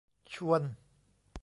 ชวน